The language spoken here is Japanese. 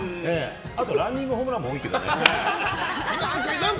ランニングホームランも多いけどね。